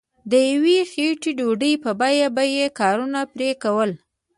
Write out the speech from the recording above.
د یوې خیټې ډوډۍ په بیه به یې کارونه پرې کول.